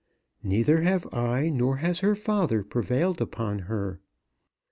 Neither have I nor has her father prevailed upon her.